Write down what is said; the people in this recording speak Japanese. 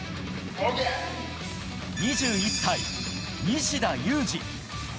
２１歳、西田有志。